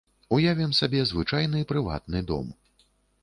Уявім сабе звычайны прыватны дом.